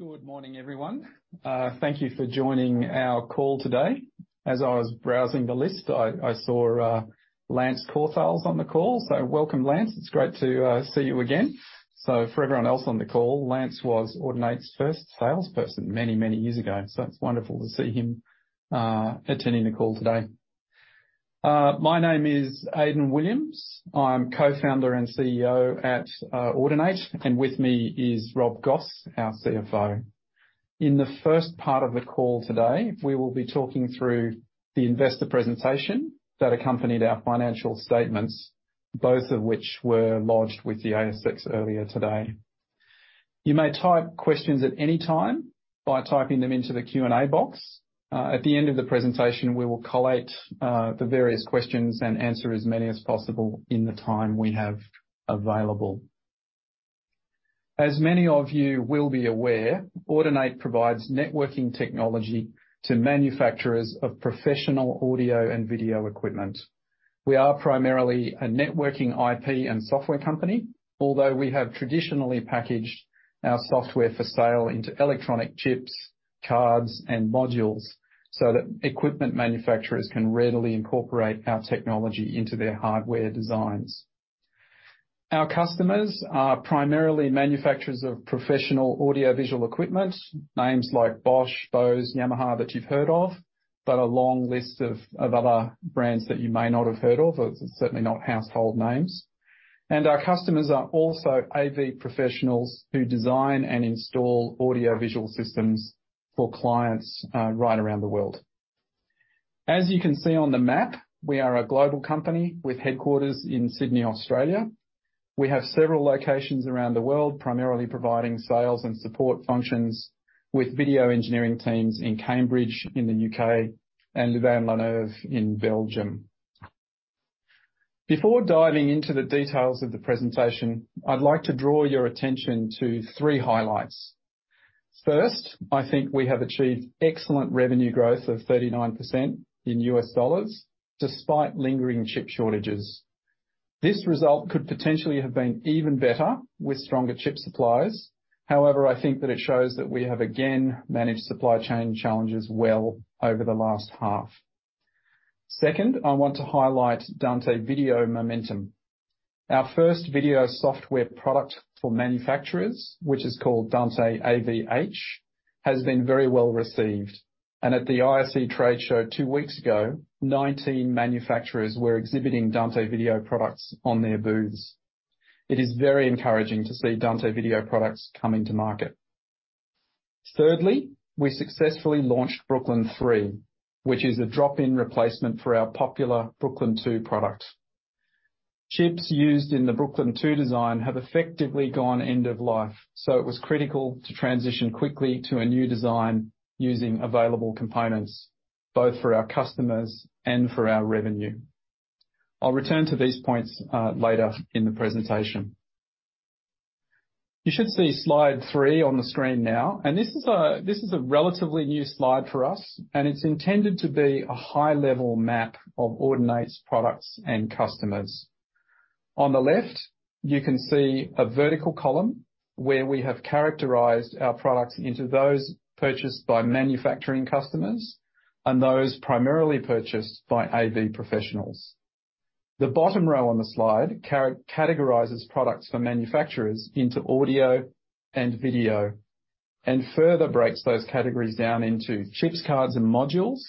Good morning, everyone. Thank you for joining our call today. As I was browsing the list, I saw Lance Korthals on the call. Welcome, Lance. It's great to see you again. For everyone else on the call, Lance was Audinate's first salesperson many, many years ago. It's wonderful to see him attending the call today. My name is Aidan Williams. I'm Co-Founder and CEO at Audinate. With me is Rob Goss, our CFO. In the first part of the call today, we will be talking through the investor presentation that accompanied our financial statements, both of which were lodged with the ASX earlier today. You may type questions at any time by typing them into the Q&A box. At the end of the presentation, we will collate the various questions and answer as many as possible in the time we have available. As many of you will be aware, Audinate provides networking technology to manufacturers of professional audio and video equipment. We are primarily a networking IP and software company, although we have traditionally packaged our software for sale into electronic chips, cards and modules so that equipment manufacturers can readily incorporate our technology into their hardware designs. Our customers are primarily manufacturers of professional audio-visual equipment. Names like Bosch, Bose, Yamaha, that you've heard of, but a long list of other brands that you may not have heard of, certainly not household names. Our customers are also AV professionals who design and install audio-visual systems for clients right around the world. As you can see on the map, we are a global company with headquarters in Sydney, Australia. We have several locations around the world, primarily providing sales and support functions with video engineering teams in Cambridge, in the U.K., and Louvain-la-Neuve in Belgium. Before diving into the details of the presentation, I'd like to draw your attention to three highlights. I think we have achieved excellent revenue growth of 39% in US dollars despite lingering chip shortages. This result could potentially have been even better with stronger chip supplies. I think that it shows that we have again managed supply chain challenges well over the last half. I want to highlight Dante Video Momentum. Our first video software product for manufacturers, which is called Dante AV-H, has been very well received. At the ISE trade show two weeks ago, 19 manufacturers were exhibiting Dante video products on their booths. It is very encouraging to see Dante video products coming to market. Thirdly, we successfully launched Brooklyn 3, which is a drop-in replacement for our popular Brooklyn 2 product. Chips used in the Brooklyn 2 design have effectively gone end of life, it was critical to transition quickly to a new design using available components, both for our customers and for our revenue. I'll return to these points later in the presentation. You should see slide three on the screen now, this is a relatively new slide for us, it's intended to be a high-level map of Audinate's products and customers. On the left, you can see a vertical column where we have characterized our products into those purchased by manufacturing customers and those primarily purchased by AV professionals. The bottom row on the slide categorizes products for manufacturers into audio and video, and further breaks those categories down into chips, cards, and modules,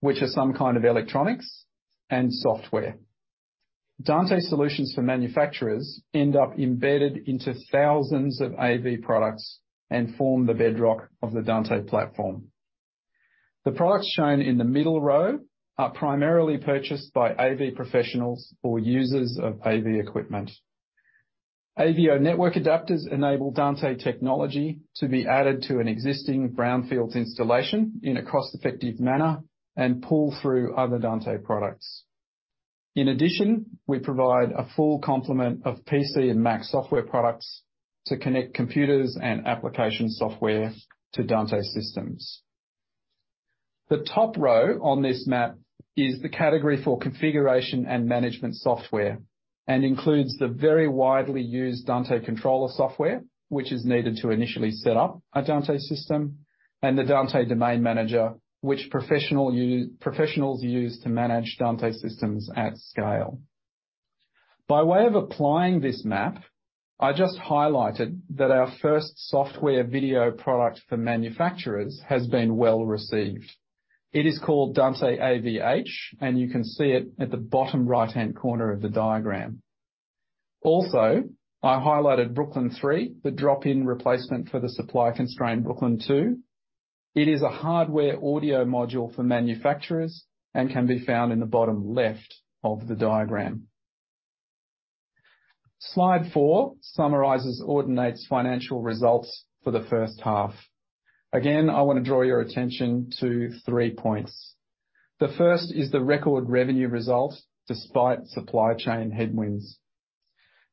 which are some kind of electronics and software. Dante solutions for manufacturers end up embedded into thousands of AV products and form the bedrock of the Dante platform. The products shown in the middle row are primarily purchased by AV professionals or users of AV equipment. Dante AVIO adapters enable Dante technology to be added to an existing brownfield installation in a cost-effective manner and pull through other Dante products. In addition, we provide a full complement of PC and Mac software products to connect computers and application software to Dante systems. The top row on this map is the category for configuration and management software and includes the very widely used Dante Controller software, which is needed to initially set up a Dante system, and the Dante Domain Manager, which professionals use to manage Dante systems at scale. By way of applying this map, I just highlighted that our first software video product for manufacturers has been well received. It is called Dante AV-H, and you can see it at the bottom right-hand corner of the diagram. Also, I highlighted Brooklyn 3, the drop-in replacement for the supply-constrained Brooklyn 2. It is a hardware audio module for manufacturers and can be found in the bottom left of the diagram. Slide four summarizes Audinate's financial results for the first half. Again, I want to draw your attention to three points. The first is the record revenue result despite supply chain headwinds.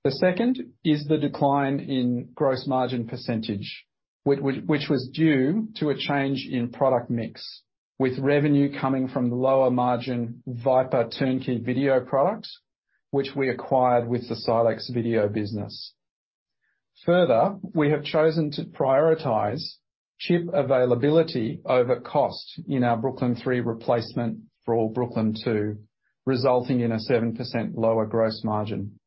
The second is the decline in gross margin percentage, which was due to a change in product mix, with revenue coming from the lower margin Viper turnkey video products. Which we acquired with the Silex video business. Further, we have chosen to prioritize chip availability over cost in our Brooklyn 3 replacement for all Brooklyn 2, resulting in a 7% lower gross margin.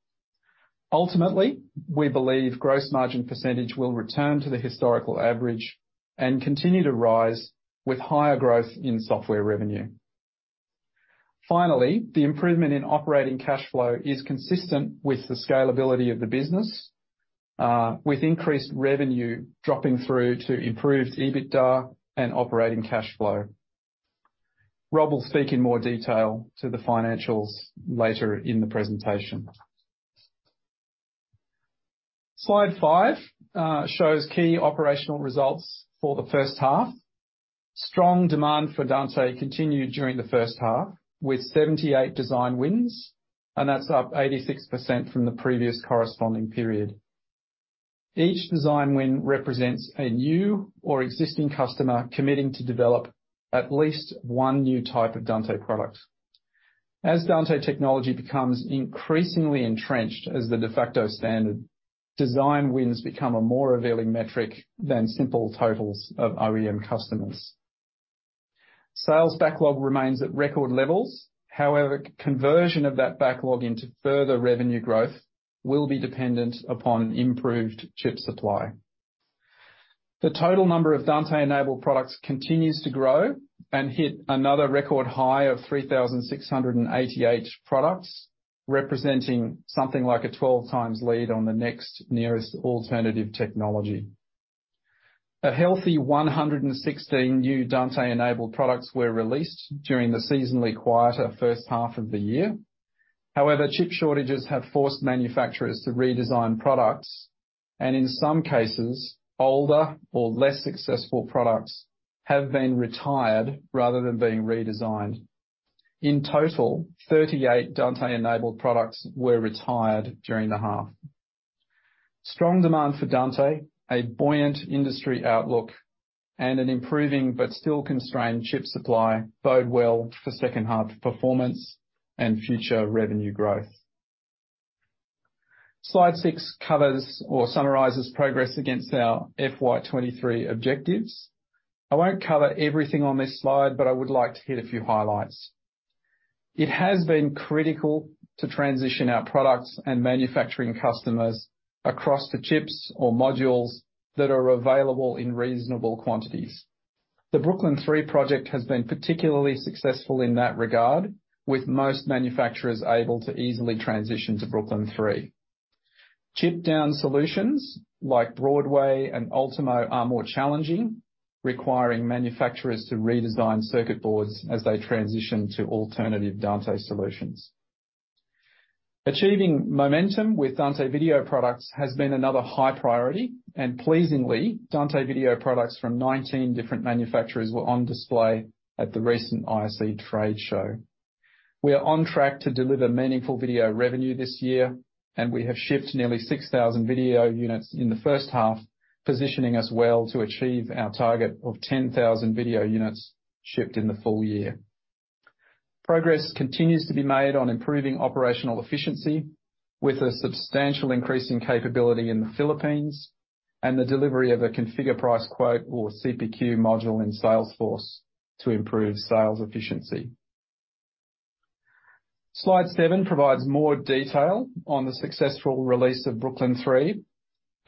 Ultimately, we believe gross margin percentage will return to the historical average and continue to rise with higher growth in software revenue. Finally, the improvement in operating cash flow is consistent with the scalability of the business, with increased revenue dropping through to improved EBITDA and operating cash flow. Rob will speak in more detail to the financials later in the presentation. Slide five shows key operational results for the first half. Strong demand for Dante continued during the first half, with 78 design wins, and that's up 86% from the previous corresponding period. Each design win represents a new or existing customer committing to develop at least one new type of Dante product. As Dante technology becomes increasingly entrenched as the de facto standard, design wins become a more revealing metric than simple totals of OEM customers. Sales backlog remains at record levels. However, conversion of that backlog into further revenue growth will be dependent upon improved chip supply. The total number of Dante-enabled products continues to grow and hit another record high of 3,688 products, representing something like a 12 times lead on the next nearest alternative technology. A healthy 116 new Dante-enabled products were released during the seasonally quieter first half of the year. However, chip shortages have forced manufacturers to redesign products, and in some cases, older or less successful products have been retired rather than being redesigned. In total, 38 Dante-enabled products were retired during the half. Strong demand for Dante, a buoyant industry outlook, and an improving but still constrained chip supply bode well for second half performance and future revenue growth. Slide six covers or summarizes progress against our FY2023 objectives. I won't cover everything on this slide, but I would like to hit a few highlights. It has been critical to transition our products and manufacturing customers across the chips or modules that are available in reasonable quantities. The Brooklyn 3 project has been particularly successful in that regard, with most manufacturers able to easily transition to Brooklyn 3. Chip down solutions like Dante Broadway and Dante Ultimo are more challenging, requiring manufacturers to redesign circuit boards as they transition to alternative Dante solutions. Achieving momentum with Dante video products has been another high priority, and pleasingly, Dante video products from 19 different manufacturers were on display at the recent ISE trade show. We are on track to deliver meaningful video revenue this year, and we have shipped nearly 6,000 video units in the first half, positioning us well to achieve our target of 10,000 video units shipped in the full year. Progress continues to be made on improving operational efficiency with a substantial increase in capability in the Philippines and the delivery of a configure price quote or CPQ module in Salesforce to improve sales efficiency. Slide seven provides more detail on the successful release of Brooklyn 3.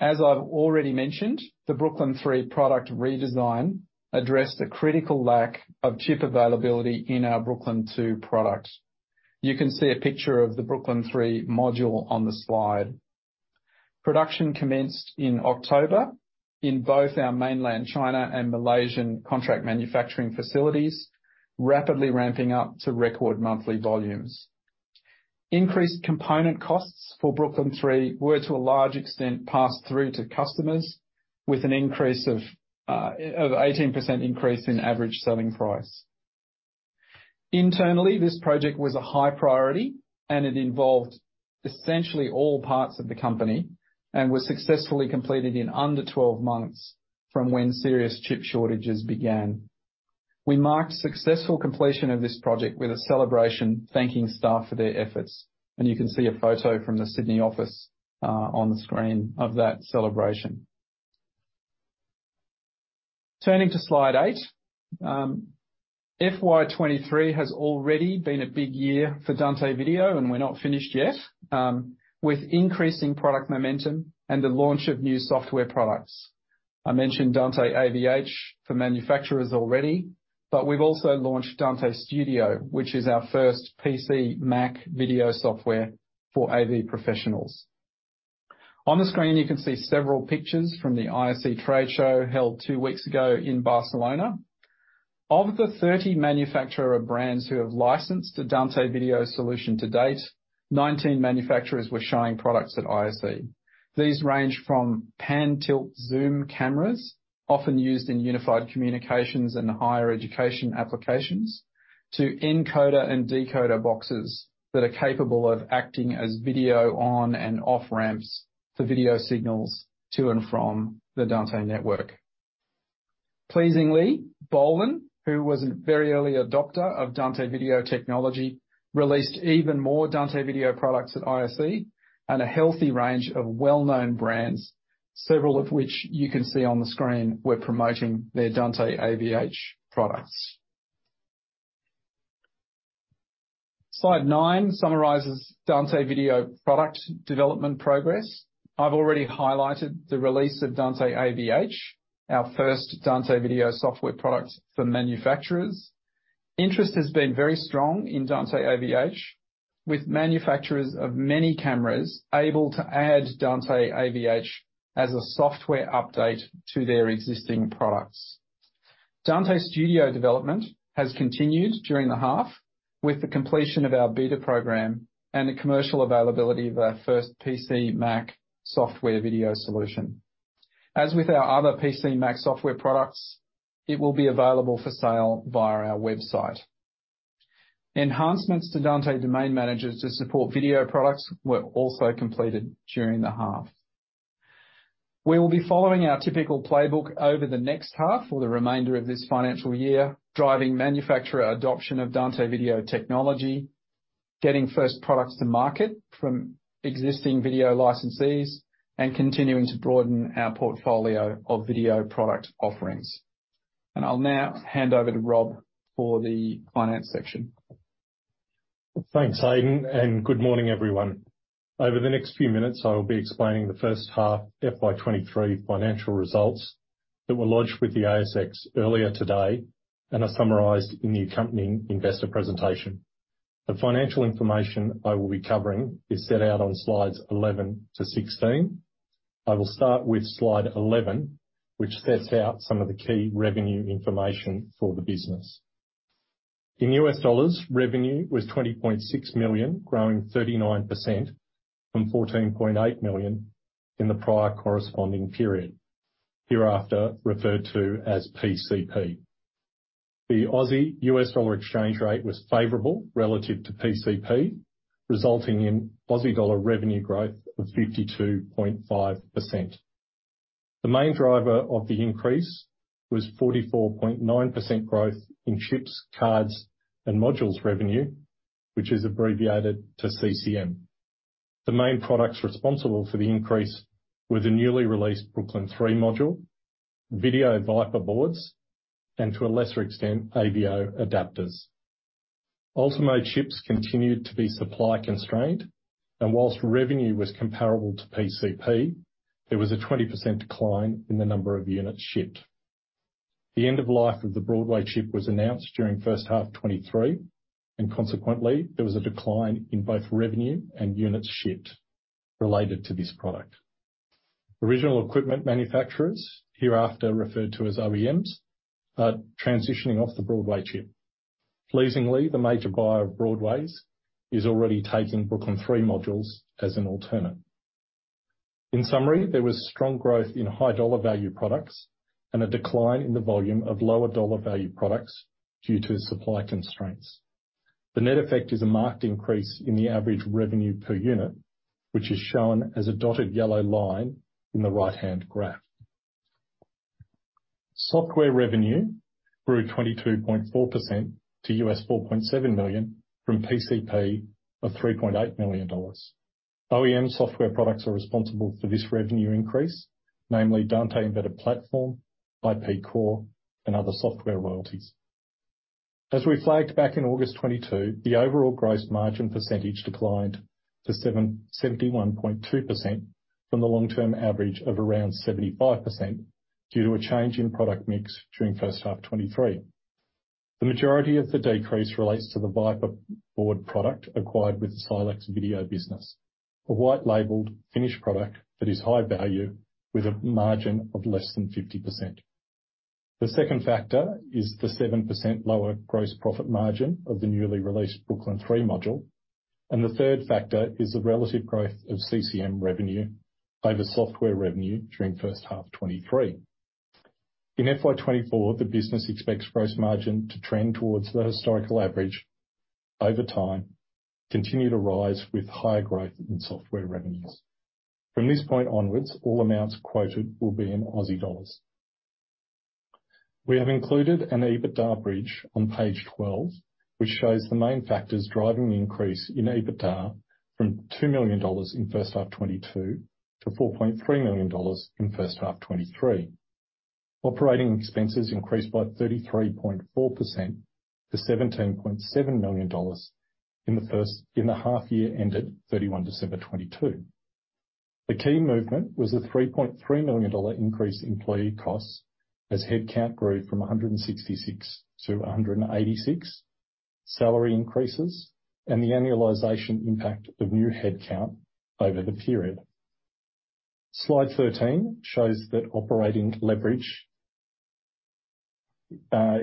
As I've already mentioned, the Brooklyn 3 product redesign addressed the critical lack of chip availability in our Brooklyn 2 product. You can see a picture of the Brooklyn 3 module on the slide. Production commenced in October in both our mainland China and Malaysian contract manufacturing facilities, rapidly ramping up to record monthly volumes. Increased component costs for Brooklyn 3 were to a large extent passed through to customers with an increase of 18% increase in average selling price. Internally, this project was a high priority, and it involved essentially all parts of the company and was successfully completed in under 12 months from when serious chip shortages began. We marked successful completion of this project with a celebration thanking staff for their efforts, and you can see a photo from the Sydney office on the screen of that celebration. Turning to slide eight. FY2023 has already been a big year for Dante Video, and we're not finished yet with increasing product momentum and the launch of new software products. I mentioned Dante AV-H for manufacturers already, but we've also launched Dante Studio, which is our first PC, Mac video software for AV professionals. On the screen, you can see several pictures from the ISE trade show held two weeks ago in Barcelona. Of the 30 manufacturer brands who have licensed the Dante video solution to date, 19 manufacturers were showing products at ISE. These range from pan-tilt-zoom cameras, often used in unified communications and higher education applications to encoder and decoder boxes that are capable of acting as video on and off ramps for video signals to and from the Dante network. Pleasingly, Bolin, who was a very early adopter of Dante Video Technology, released even more Dante Video products at ISE and a healthy range of well-known brands, several of which you can see on the screen, were promoting their Dante AV-H products. Slide nine summarizes Dante Video product development progress. I've already highlighted the release of Dante AV-H, our first Dante Video software product for manufacturers. Interest has been very strong in Dante AV-H, with manufacturers of many cameras able to add Dante AV-H as a software update to their existing products. Dante Studio development has continued during the half, with the completion of our beta program and the commercial availability of our first PC, Mac software video solution. As with our other PC, Mac software products, it will be available for sale via our website. Enhancements to Dante Domain Manager to support video products were also completed during the half. We will be following our typical playbook over the next half or the remainder of this financial year, driving manufacturer adoption of Dante video technology, getting first products to market from existing video licensees, and continuing to broaden our portfolio of video product offerings. I'll now hand over to Rob for the finance section. Thanks, Aidan, and good morning, everyone. Over the next few minutes, I will be explaining the first half FY2023 financial results that were lodged with the ASX earlier today, and are summarized in the accompanying investor presentation. The financial information I will be covering is set out on slides 11-16. I will start with slide 11, which sets out some of the key revenue information for the business. In US dollars, revenue was $20.6 million, growing 39% from $14.8 million in the prior corresponding period, hereafter referred to as PCP. The AUD-US dollar exchange rate was favorable relative to PCP, resulting in Aussie dollar revenue growth of 52.5%. The main driver of the increase was 44.9% growth in chips, cards, and modules revenue, which is abbreviated to CCM. The main products responsible for the increase were the newly released Brooklyn 3 module, video Viper Boards, and to a lesser extent, AVIO adapters. Ultimo chips continued to be supply constrained, and whilst revenue was comparable to PCP, there was a 20% decline in the number of units shipped. The end of life of the Broadway chip was announced during first half 2023, and consequently, there was a decline in both revenue and units shipped related to this product. Original Equipment Manufacturers, hereafter referred to as OEMs, are transitioning off the Broadway chip. Pleasingly, the major buyer of Broadways is already taking Brooklyn 3 modules as an alternate. In summary, there was strong growth in high dollar value products and a decline in the volume of lower dollar value products due to supply constraints. The net effect is a marked increase in the average revenue per unit, which is shown as a dotted yellow line in the right-hand graph. Software revenue grew 22.4% to $4.7 million from PCP of $3.8 million. OEM software products are responsible for this revenue increase, namely Dante Embedded Platform, IP Core, and other software royalties. As we flagged back in August 2022, the overall gross margin percentage declined to 71.2% from the long-term average of around 75% due to a change in product mix during first half 2023. The majority of the decrease relates to the Viper Board product acquired with Silex video business. A white-labeled finished product that is high value with a margin of less than 50%. The second factor is the 7% lower gross profit margin of the newly released Dante Brooklyn 3 module. The third factor is the relative growth of CCM revenue over software revenue during first half 2023. In FY2024, the business expects gross margin to trend towards the historical average over time, continue to rise with higher growth in software revenues. From this point onwards, all amounts quoted will be in Australian dollar. We have included an EBITDA bridge on page 12, which shows the main factors driving the increase in EBITDA from 2 million dollars in first half 2022 to 4.3 million dollars in first half 2023. Operating expenses increased by 33.4% to 17.7 million dollars in the half year ended December 31, 2022. The key movement was a 3.3 million dollar increase in employee costs as headcount grew from 166-186, salary increases, and the annualization impact of new headcount over the period. Slide 13 shows that operating leverage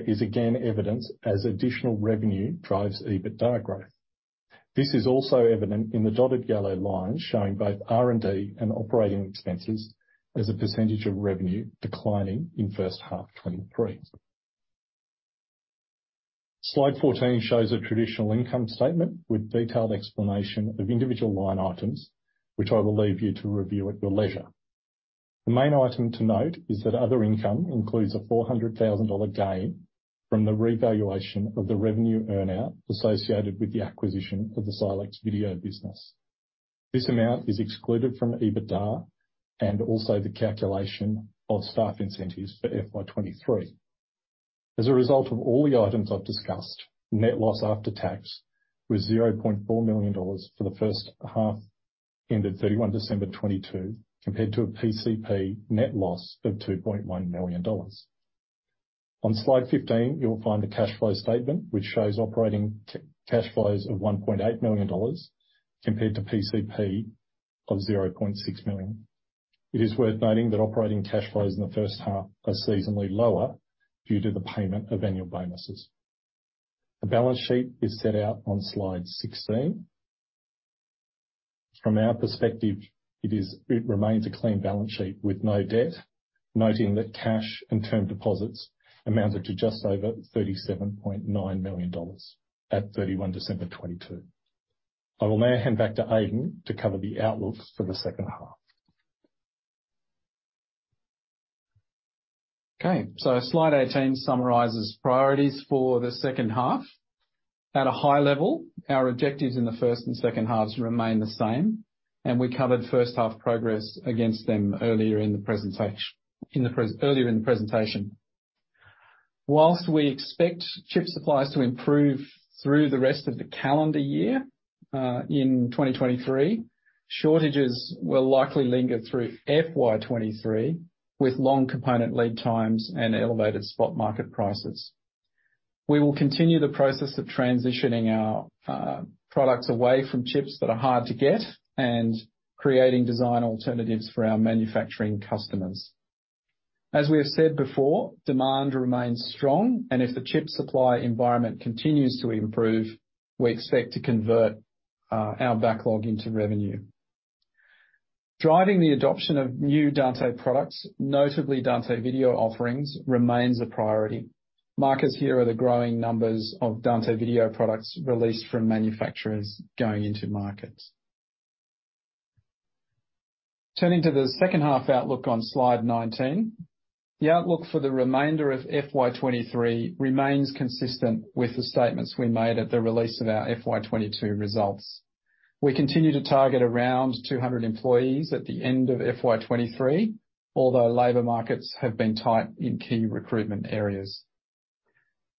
is again evidenced as additional revenue drives EBITDA growth. This is also evident in the dotted yellow line, showing both R&D and operating expenses as a percentage of revenue declining in first half 2023. Slide 14 shows a traditional income statement with detailed explanation of individual line items, which I will leave you to review at your leisure. The main item to note is that other income includes a 400,000 dollar gain from the revaluation of the revenue earn-out associated with the acquisition of the Silex video business. This amount is excluded from EBITDA and also the calculation of staff incentives for FY2023. As a result of all the items I've discussed, net loss after tax was 0.4 million dollars for the first half ended 31 December 2022, compared to a PCP net loss of 2.1 million dollars. On slide 15, you'll find a cash flow statement which shows operating cash flows of 1.8 million dollars compared to PCP of 0.6 million. It is worth noting that operating cash flows in the first half are seasonally lower due to the payment of annual bonuses. The balance sheet is set out on slide 16. From our perspective, it remains a clean balance sheet with no debt, noting that cash and term deposits amounted to just over 37.9 million dollars at 31 December 2022. I will now hand back to Aidan to cover the outlook for the second half. Slide 18 summarizes priorities for the second half. At a high level, our objectives in the first and second halves remain the same, and we covered first half progress against them earlier in the presentation. Whilst we expect chip supplies to improve through the rest of the calendar year, in 2023, shortages will likely linger through FY2023, with long component lead times and elevated spot market prices. We will continue the process of transitioning our products away from chips that are hard to get and creating design alternatives for our manufacturing customers. As we have said before, demand remains strong, and if the chip supply environment continues to improve, we expect to convert our backlog into revenue. Driving the adoption of new Dante products, notably Dante Video offerings, remains a priority. Markers here are the growing numbers of Dante Video products released from manufacturers going into markets. Turning to the second half outlook on slide 19, the outlook for the remainder of FY2023 remains consistent with the statements we made at the release of our FY2022 results. We continue to target around 200 employees at the end of FY2023, although labor markets have been tight in key recruitment areas.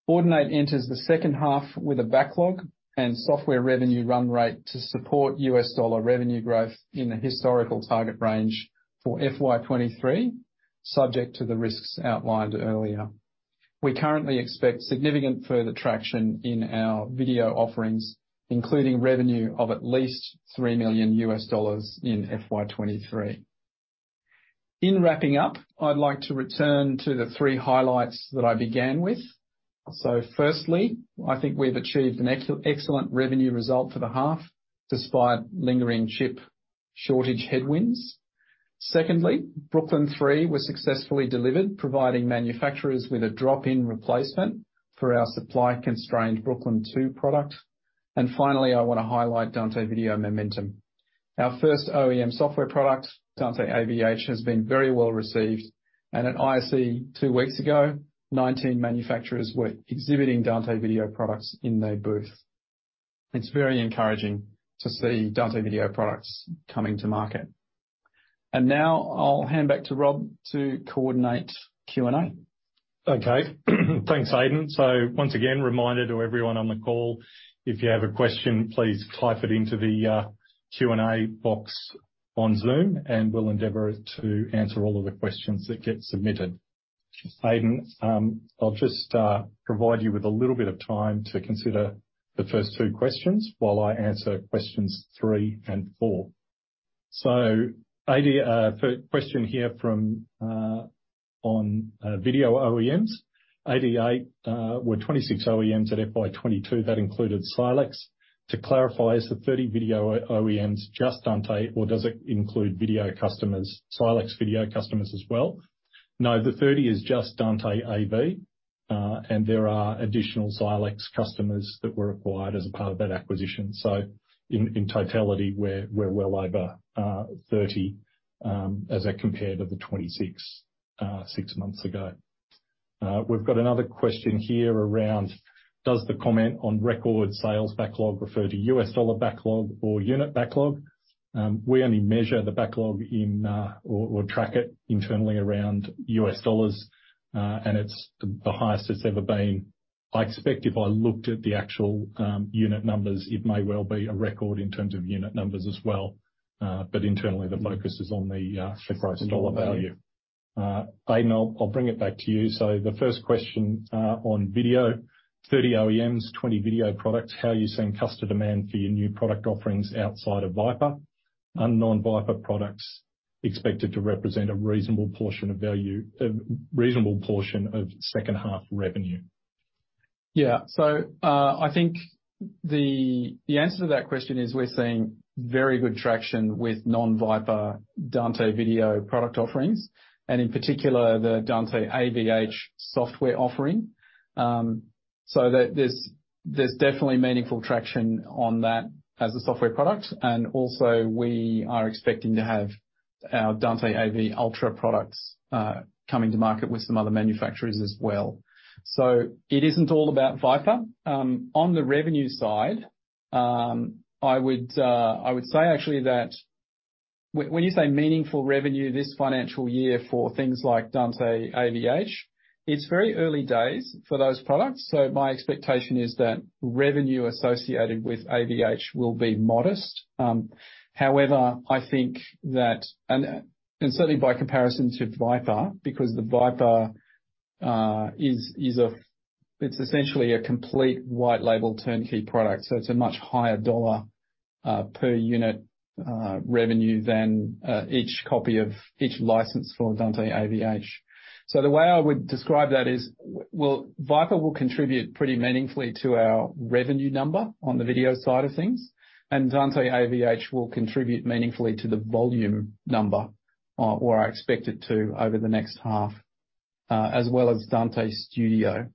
Audinate enters the second half with a backlog and software revenue run rate to support US dollar revenue growth in the historical target range for FY2023, subject to the risks outlined earlier. We currently expect significant further traction in our video offerings, including revenue of at least $3 million in FY2023. In wrapping up, I'd like to return to the three highlights that I began with. Firstly, I think we've achieved an excellent revenue result for the half, despite lingering chip shortage headwinds. Dante Brooklyn 3 was successfully delivered, providing manufacturers with a drop-in replacement for our supply-constrained Dante Brooklyn 2 product. Finally, I wanna highlight Dante Video momentum. Our first OEM software product, Dante AV-H, has been very well received, and at ISE two weeks ago, 19 manufacturers were exhibiting Dante Video products in their booth. It's very encouraging to see Dante Video products coming to market. Now I'll hand back to Rob to coordinate Q&A. Once again, reminder to everyone on the call, if you have a question, please type it into the Q&A box on Zoom, and we'll endeavor to answer all of the questions that get submitted. Aidan, I'll just provide you with a little bit of time to consider the first two questions while I answer questions three and four. Question here from on video OEMs. 88 were 26 OEMs at FY2022. That included Silex. To clarify, is the 30 video OEMs just Dante, or does it include video customers, Silex video customers as well? No, the 30 is just Dante AV, and there are additional Silex customers that were acquired as a part of that acquisition. In totality, we're well over 30, as compared to the 26, six months ago. We've got another question here around does the comment on record sales backlog refer to US dollar backlog or unit backlog? We only measure the backlog in or track it internally around US dollars, and it's the highest it's ever been. I expect if I looked at the actual unit numbers, it may well be a record in terms of unit numbers as well, but internally the focus is on the dollar value. Aidan, I'll bring it back to you. The first question on video. 30 OEMs, 20 video products. How are you seeing customer demand for your new product offerings outside of Viper? Are non-Viper products expected to represent a reasonable portion of second half revenue? The answer to that question is we're seeing very good traction with non-Viper Dante video product offerings, and in particular, the Dante AV-H software offering. That there's definitely meaningful traction on that as a software product. Also, we are expecting to have our Dante AV Ultra products coming to market with some other manufacturers as well. It isn't all about Viper. On the revenue side, I would say actually that when you say meaningful revenue this financial year for things like Dante AV-H, it's very early days for those products, so my expectation is that revenue associated with AV-H will be modest. However, I think that, and certainly by comparison to Viper, because the Viper is essentially a complete white label turnkey product, so it's a much higher dollar per unit revenue than each copy of each license for Dante AV-H. The way I would describe that is, Viper will contribute pretty meaningfully to our revenue number on the video side of things, and Dante AV-H will contribute meaningfully to the volume number, or I expect it to over the next half, as well as Dante Studio.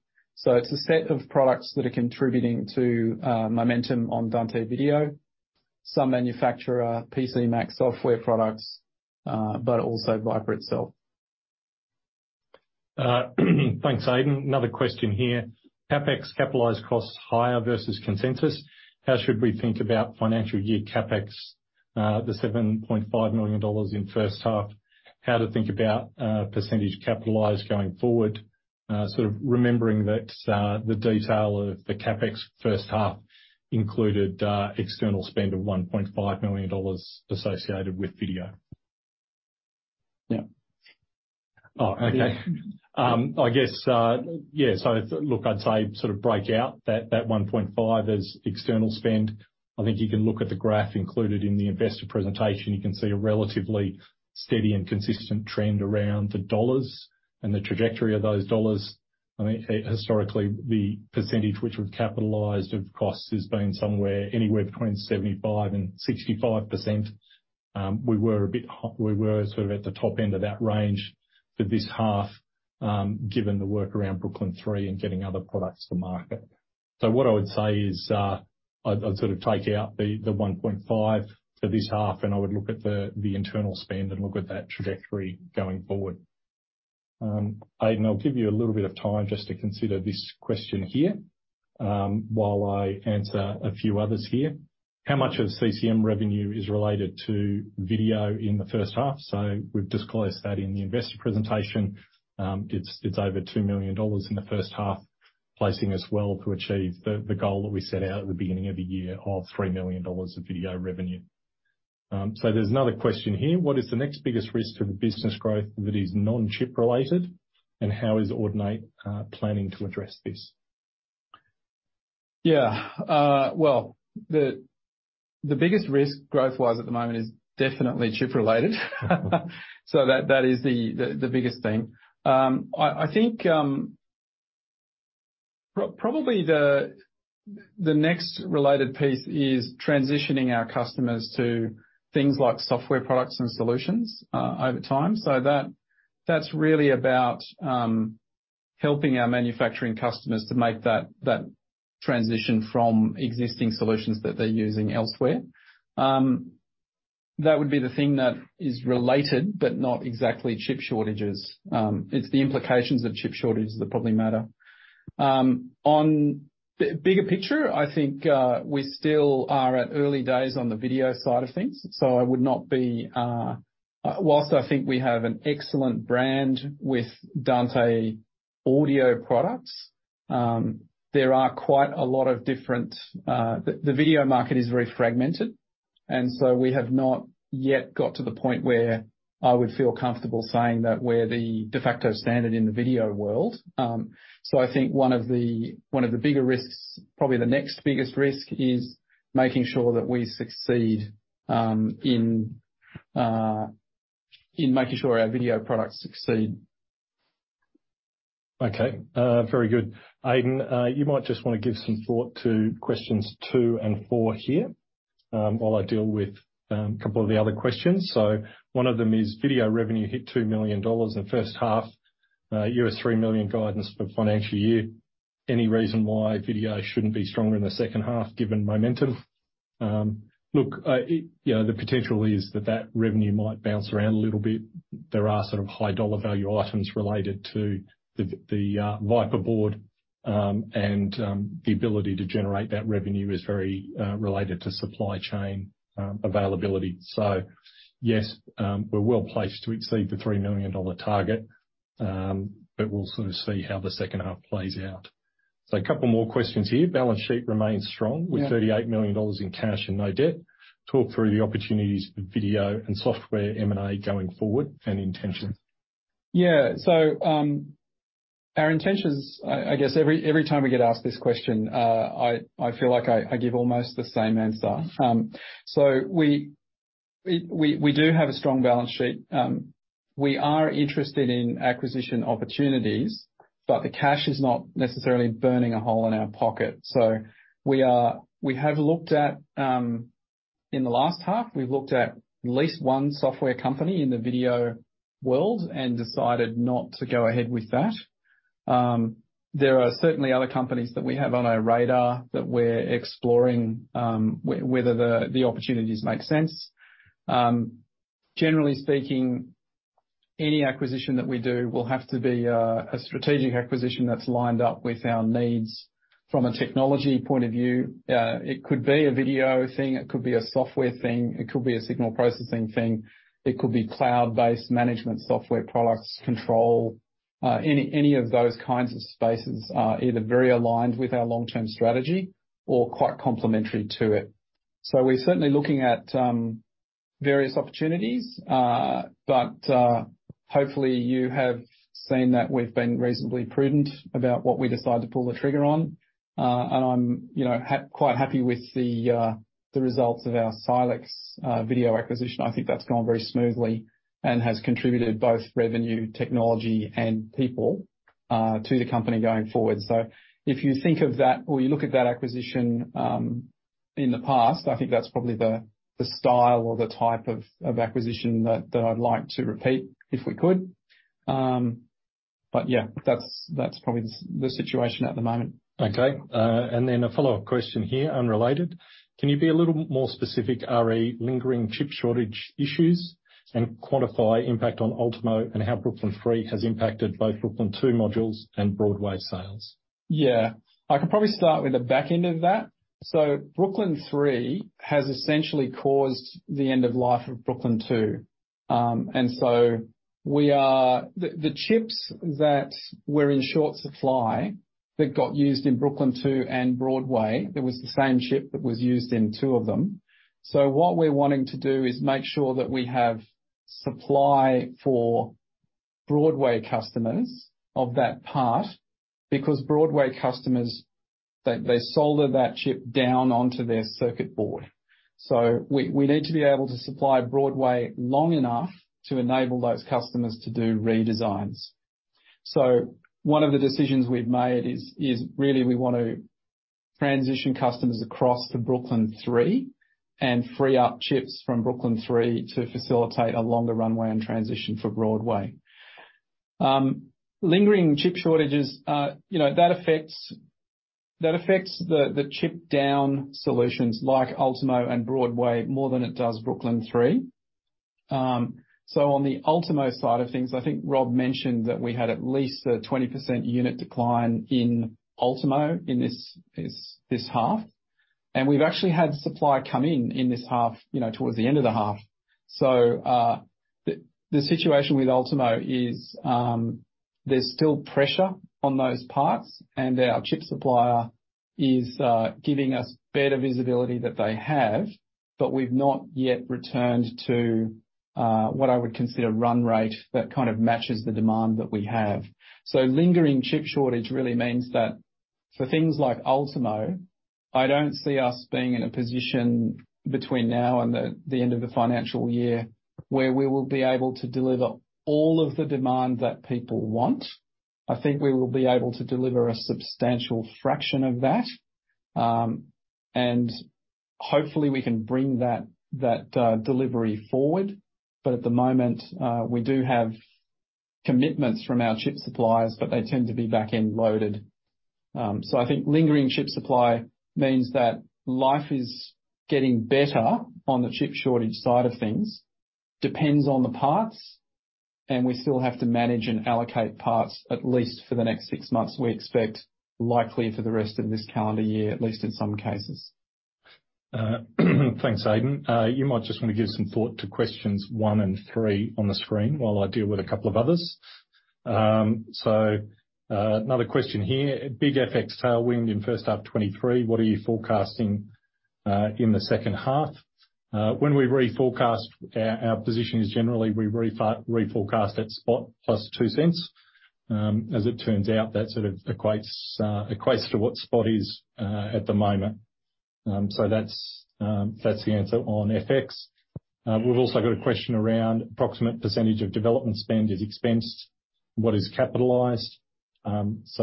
It's a set of products that are contributing to momentum on Dante Video, some manufacturer PC/Mac software products, but also Viper itself. Thanks, Aidan. Another question here. CapEx capitalized costs higher versus consensus. How should we think about financial year CapEx, the 7.5 million dollars in first half? How to think about percentage capitalized going forward, sort of remembering that the detail of the CapEx first half included external spend of 1.5 million dollars associated with video. Yeah. Okay. I guess, I'd say sort of break out that 1.5 as external spend. I think you can look at the graph included in the investor presentation. You can see a relatively steady and consistent trend around the dollars and the trajectory of those dollars. Historically, the percentage which we've capitalized of costs has been somewhere anywhere between 75% and 65%. We were a bit hot. We were sort of at the top end of that range for this half, given the work around Brooklyn 3 and getting other products to market. What I would say is, I'd sort of take out the 1.5 for this half, and I would look at the internal spend and look at that trajectory going forward. Aidan, I'll give you a little bit of time just to consider this question here, while I answer a few others here. How much of CCM revenue is related to video in the first half? We've disclosed that in the investor presentation. It's over 2 million dollars in the first half, placing us well to achieve the goal that we set out at the beginning of the year of 3 million dollars of video revenue. There's another question here. What is the next biggest risk to the business growth that is non-chip related, and how is Audinate planning to address this? Yeah. Well, the biggest risk growth-wise at the moment is definitely chip related. That is the biggest thing. I think probably the next related piece is transitioning our customers to things like software products and solutions over time. That's really about helping our manufacturing customers to make that transition from existing solutions that they're using elsewhere. That would be the thing that is related, but not exactly chip shortages. It's the implications of chip shortages that probably matter. On the bigger picture, I think we still are at early days on the video side of things, I would not be. Whilst I think we have an excellent brand with Dante audio products, there are quite a lot of different, the video market is very fragmented, and so we have not yet got to the point where I would feel comfortable saying that we're the de facto standard in the video world. I think one of the, one of the bigger risks, probably the next biggest risk is making sure that we succeed in making sure our video products succeed. Okay. very good. Aidan, you might just wanna give some thought to questions two and four here, while I deal with a couple of the other questions. One of them is video revenue hit 2 million dollars in the first half, AUD 3 million guidance for financial year. Any reason why video shouldn't be stronger in the second half, given momentum? look, it, you know, the potential is that that revenue might bounce around a little bit. There are sort of high dollar value items related to the Viper Board, and the ability to generate that revenue is very related to supply chain availability. Yes, we're well placed to exceed the 3 million dollar target, but we'll sort of see how the second half plays out. A couple more questions here. Balance sheet remains strong. Yeah. With 38 million dollars in cash and no debt. Talk through the opportunities for video and software M&A going forward and intentions. Our intentions, I guess every time we get asked this question, I feel like I give almost the same answer. We do have a strong balance sheet. We are interested in acquisition opportunities. The cash is not necessarily burning a hole in our pocket. We have looked at, in the last half, we've looked at least one software company in the video world and decided not to go ahead with that. There are certainly other companies that we have on our radar that we're exploring, whether the opportunities make sense. Generally speaking, any acquisition that we do will have to be a strategic acquisition that's lined up with our needs from a technology point of view. It could be a video thing, it could be a software thing, it could be a signal processing thing, it could be cloud-based management software products, control. Any of those kinds of spaces are either very aligned with our long-term strategy or quite complementary to it. We're certainly looking at various opportunities. Hopefully you have seen that we've been reasonably prudent about what we decide to pull the trigger on. I'm, you know, quite happy with the results of our Silex video acquisition. I think that's gone very smoothly and has contributed both revenue, technology and people to the company going forward. If you think of that or you look at that acquisition, in the past, I think that's probably the style or the type of acquisition that I'd like to repeat if we could. yeah, that's probably the situation at the moment. A follow-up question here, unrelated. Can you be a little more specific re, lingering chip shortage issues and quantify impact on Ultimo and how Brooklyn 3 has impacted both Brooklyn2 modules and Broadway sales? I can probably start with the back end of that. Dante Brooklyn 3 has essentially caused the end of life of Dante Brooklyn 2. The chips that were in short supply that got used in Dante Brooklyn 2 and Dante Broadway, it was the same chip that was used in two of them. What we're wanting to do is make sure that we have supply for Dante Broadway customers of that part, because Dante Broadway customers, they solder that chip down onto their circuit board. We need to be able to supply Dante Broadway long enough to enable those customers to do redesigns. One of the decisions we've made is really we want to transition customers across to Dante Brooklyn 3 and free up chips from Dante Brooklyn 3 to facilitate a longer runway and transition for Dante Broadway. Lingering chip shortages, you know, that affects the chip down solutions like Dante Ultimo and Dante Broadway more than it does Dante Brooklyn 3. On the Dante Ultimo side of things, I think Rob mentioned that we had at least a 20% unit decline in Dante Ultimo in this half. We've actually had supply come in in this half, you know, towards the end of the half. The situation with Dante Ultimo is there's still pressure on those parts and our chip supplier is giving us better visibility that they have, but we've not yet returned to what I would consider run rate that kind of matches the demand that we have. Lingering chip shortage really means that for things like Ultimo, I don't see us being in a position between now and the end of the financial year where we will be able to deliver all of the demand that people want. I think we will be able to deliver a substantial fraction of that, and hopefully we can bring that delivery forward. At the moment, we do have commitments from our chip suppliers, but they tend to be back-end loaded. I think lingering chip supply means that life is getting better on the chip shortage side of things. Depends on the parts, and we still have to manage and allocate parts at least for the next six months. We expect likely for the rest of this calendar year, at least in some cases. Thanks, Aidan. You might just want to give some thought to questions one and three on the screen while I deal with a couple of others. Another question here. Big FX tailwind in first half FY2023. What are you forecasting in the second half? When we reforecast our positions, generally we reforecast at spot plus 0.02. As it turns out, that sort of equates to what spot is at the moment. That's the answer on FX. We've also got a question around approximate percentage of development spend is expensed, what is capitalized.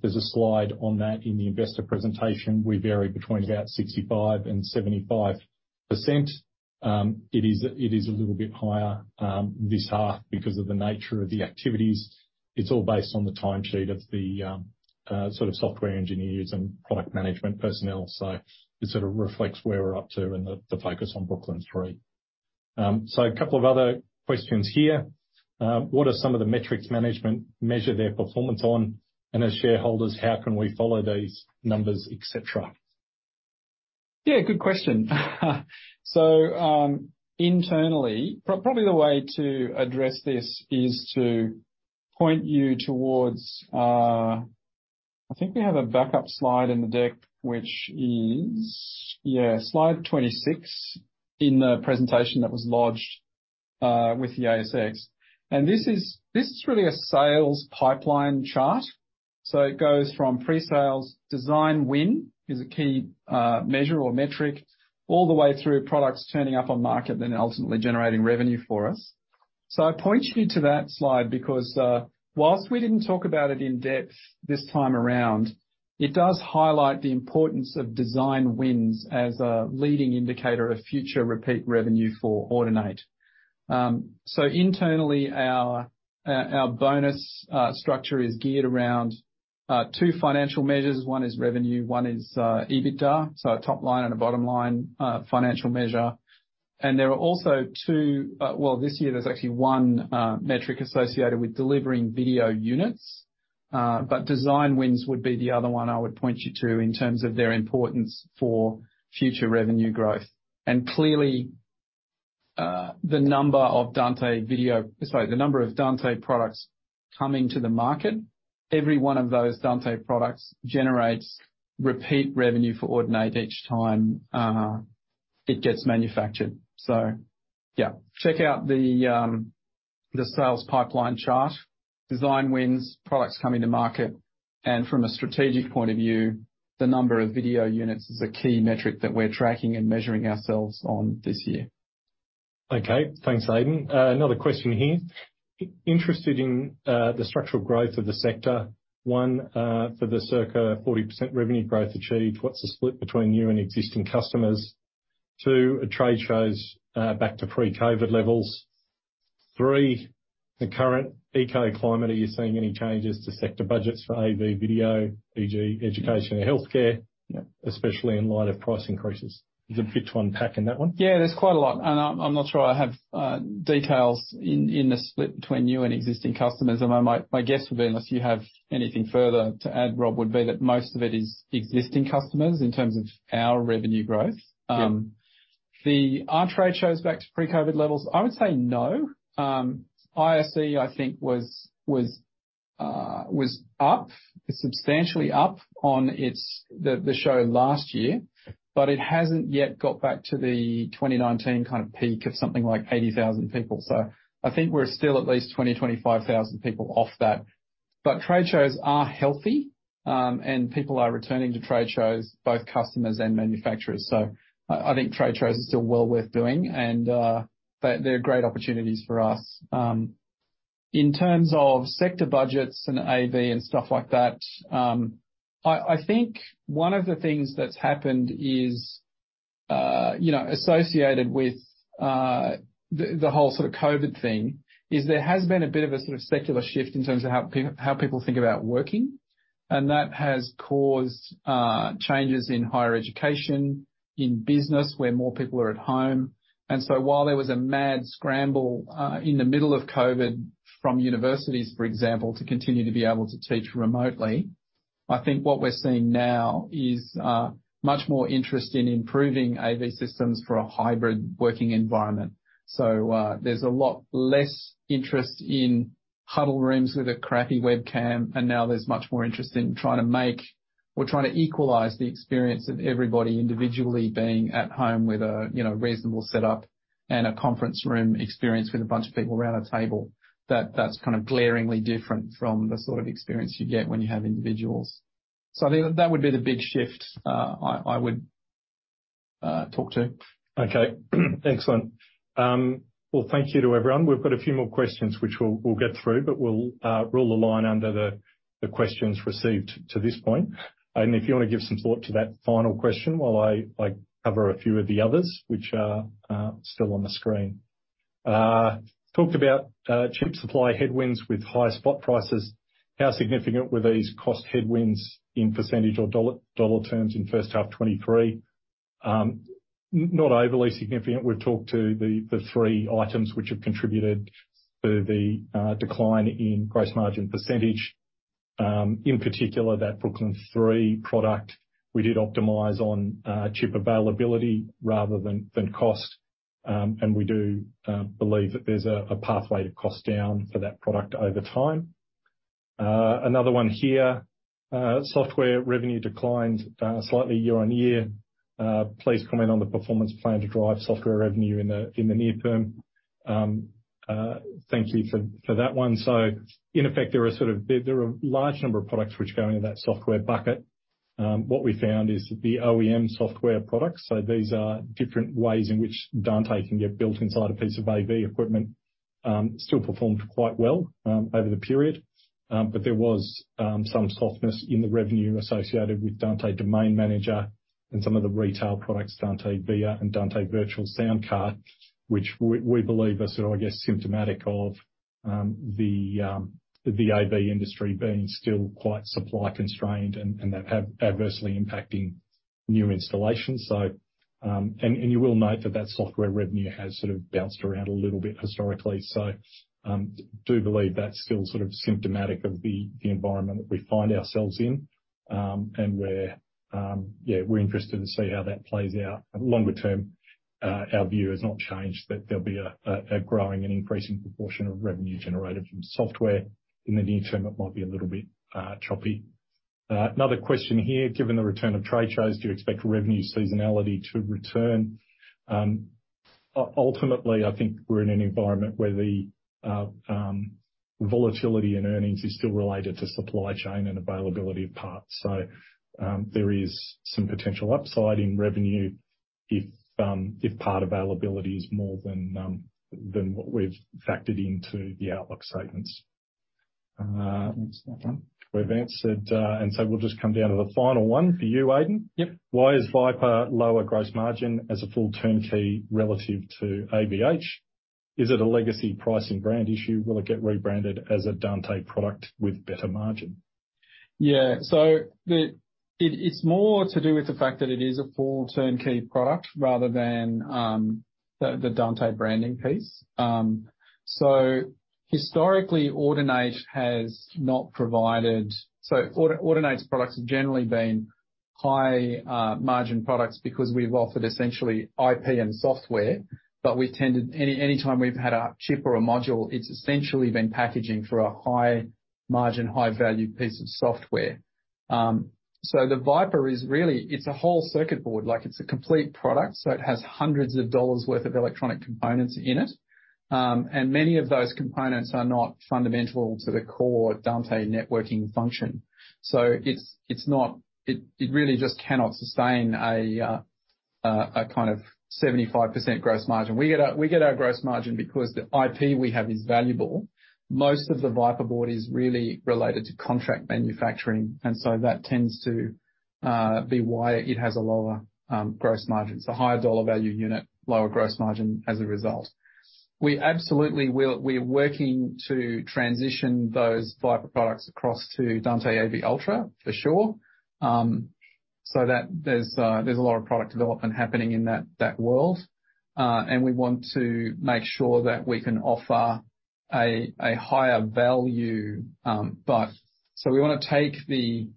There's a slide on that in the investor presentation. We vary between about 65% and 75%. It is a little bit higher, this half because of the nature of the activities. It's all based on the timesheet of the sort of software engineers and product management personnel. It sort of reflects where we're up to and the focus on Brooklyn 3. A couple of other questions here. What are some of the metrics management measure their performance on? As shareholders, how can we follow these numbers, et cetera? Yeah, good question. Internally, probably the way to address this is to point you towards, I think we have a backup slide in the deck, which is... Yeah, slide 26 in the presentation that was lodged with the ASX. This is really a sales pipeline chart. It goes from pre-sales. Design win is a key measure or metric all the way through products turning up on market, then ultimately generating revenue for us. I point you to that slide because, whilst we didn't talk about it in depth this time around, it does highlight the importance of design wins as a leading indicator of future repeat revenue for Audinate. Internally our bonus structure is geared around two financial measures. One is revenue, one is EBITDA. A top line and a bottom line, financial measure. There are also two, well, this year there's actually one metric associated with delivering video units. Design wins would be the other one I would point you to in terms of their importance for future revenue growth. Clearly, the number of Dante products coming to the market, every one of those Dante products generates repeat revenue for Audinate each time it gets manufactured. Yeah, check out the sales pipeline chart. Design wins, products coming to market, and from a strategic point of view, the number of video units is a key metric that we're tracking and measuring ourselves on this year. Okay. Thanks, Aidan. another question here. Interested in the structural growth of the sector. One, for the circa 40% revenue growth achieved, what's the split between new and existing customers? Two, are trade shows back to pre-COVID levels? Three, the current economic climate. Are you seeing any changes to sector budgets for AV video, e.g. education and healthcare? Yep. Especially in light of price increases. There's a bit to unpack in that one? Yeah, there's quite a lot. I'm not sure I have details in the split between new and existing customers. My guess would be, unless you have anything further to add, Rob, would be that most of it is existing customers in terms of our revenue growth. Yep. Are trade shows back to pre-COVID levels? I would say no. ISE, I think was up, substantially up on its show last year, but it hasn't yet got back to the 2019 kind of peak of something like 80,000 people. I think we're still at least 20,000-25,000 people off that. Trade shows are healthy, and people are returning to trade shows, both customers and manufacturers. I think trade shows are still well worth doing and they're great opportunities for us. In terms of sector budgets and AV and stuff like that, I think one of the things that's happened is, you know, associated with the whole sort of COVID thing, is there has been a bit of a sort of secular shift in terms of how people think about working, and that has caused changes in higher education, in business, where more people are at home. While there was a mad scramble in the middle of COVID from universities, for example, to continue to be able to teach remotely, I think what we're seeing now is much more interest in improving AV systems for a hybrid working environment. There's a lot less interest in huddle rooms with a crappy webcam, and now there's much more interest in trying to make or trying to equalize the experience of everybody individually being at home with a, you know, reasonable setup and a conference room experience with a bunch of people around a table that's kind of glaringly different from the sort of experience you get when you have individuals. I think that would be the big shift, I would talk to. Okay. Excellent. Well, thank you to everyone. We've got a few more questions which we'll get through, but we'll rule the line under the questions received to this point. If you wanna give some thought to that final question while I cover a few of the others which are still on the screen. Talked about chip supply headwinds with high spot prices. How significant were these cost headwinds in percentage or dollar terms in first half FY2023? Not overly significant. We've talked to the three items which have contributed to the decline in gross margin percentage. In particular that Brooklyn 3 product we did optimize on chip availability rather than cost. We do believe that there's a pathway to cost down for that product over time. Another one here. Software revenue declined slightly year-on-year. Please comment on the performance plan to drive software revenue in the near term. Thank you for that one. In effect, there are a large number of products which go into that software bucket. What we found is the OEM software products, so these are different ways in which Dante can get built inside a piece of AV equipment, still performed quite well over the period. There was some softness in the revenue associated with Dante Domain Manager and some of the retail products, Dante Via and Dante Virtual Soundcard, which we believe are symptomatic of the AV industry being still quite supply constrained and that adversely impacting new installations. You will note that software revenue has sort of bounced around a little bit historically. Do believe that's still sort of symptomatic of the environment that we find ourselves in. We're, yeah, we're interested to see how that plays out longer term. Our view has not changed that there'll be a growing and increasing proportion of revenue generated from software. In the near term, it might be a little bit choppy. Another question here, given the return of trade shows, do you expect revenue seasonality to return? Ultimately, I think we're in an environment where the volatility in earnings is still related to supply chain and availability of parts. There is some potential upside in revenue if part availability is more than what we've factored into the outlook statements? That's that one. We've answered, and so we'll just come down to the final one for you, Aidan. Yep. Why is Viper lower gross margin as a full turnkey relative to AVH? Is it a legacy pricing brand issue? Will it get rebranded as a Dante product with better margin? It's more to do with the fact that it is a full turnkey product rather than the Dante branding piece. Historically, Audinate has not provided. Audinate's products have generally been high margin products because we've offered essentially IP and software. Any time we've had a chip or a module, it's essentially been packaging for a high margin, high value piece of software. The Viper is really, it's a whole circuit board, like it's a complete product, so it has hundreds of dollars worth of electronic components in it. Many of those components are not fundamental to the core Dante networking function. It really just cannot sustain a kind of 75% gross margin. We get our gross margin because the IP we have is valuable. Most of the Viper Board is really related to contract manufacturing, and that tends to be why it has a lower gross margin. It's a higher dollar value unit, lower gross margin as a result. We absolutely will. We are working to transition those Viper products across to Dante AV Ultra, for sure. There's a lot of product development happening in that world, and we want to make sure that we can offer a higher value. We wanna take the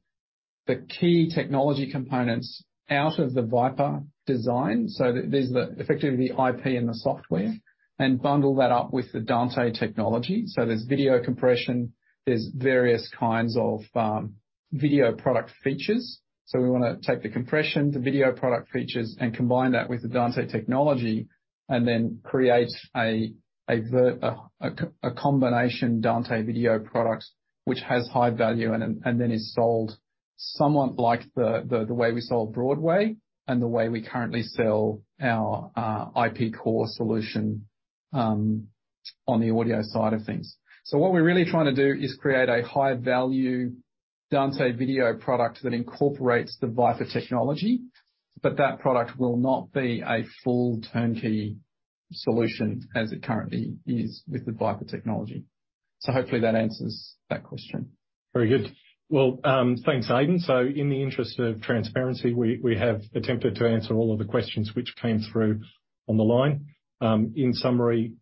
key technology components out of the Viper design. Effectively the IP and the software, and bundle that up with the Dante technology. There's video compression, there's various kinds of video product features. We wanna take the compression, the video product features, and combine that with the Dante technology, and then create a combination Dante video product which has high value and then is sold somewhat like the way we sold Broadway and the way we currently sell our IP Core solution on the audio side of things. What we're really trying to do is create a high value Dante video product that incorporates the Viper technology, but that product will not be a full turnkey solution as it currently is with the Viper technology. Hopefully that answers that question. Very good. Well, thanks, Aidan. In the interest of transparency, we have attempted to answer all of the questions which came through on the line. In summary,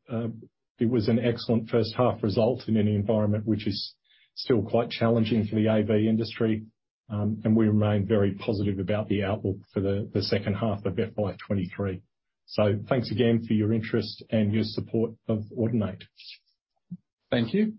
it was an excellent first half result in an environment which is still quite challenging for the AV industry, and we remain very positive about the outlook for the second half of FY2023. Thanks again for your interest and your support of Audinate. Thank you.